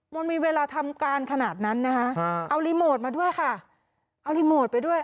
มันมีเวลาทำการขนาดนั้นนะคะเอารีโมทมาด้วยค่ะเอารีโมทไปด้วย